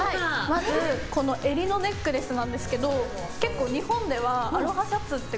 まず襟のネックレスなんですけど結構日本ではアロハシャツって